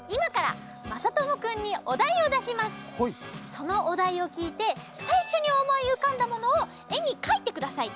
そのおだいをきいてさいしょにおもいうかんだものをえにかいてください。